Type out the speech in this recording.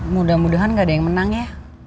mudah mudahan gak ada yang menang ya